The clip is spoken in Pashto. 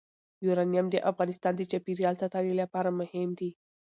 یورانیم د افغانستان د چاپیریال ساتنې لپاره مهم دي.